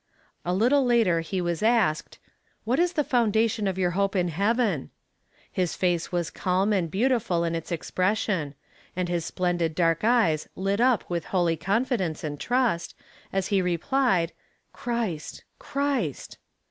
A little later he was asked, "What is the foundation of your hope of Heaven?" His face was calm and beautiful in its expression, and his splendid dark eyes lit up with holy confidence and trust, as he replied, "Christ Christ!"